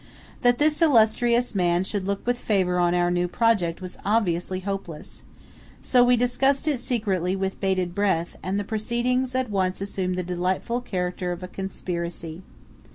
That this illustrious man should look with favour on our new project was obviously hopeless; so we discussed it secretly "with bated breath," and the proceedings at once assumed the delightful character of a conspiracy.